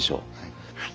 はい。